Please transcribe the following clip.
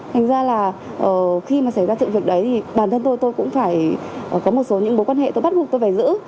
thành ra là khi mà xảy ra sự việc đấy thì bản thân tôi tôi cũng phải có một số những mối quan hệ tôi bắt buộc tôi phải giữ